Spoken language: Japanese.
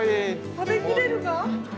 食べ切れるか？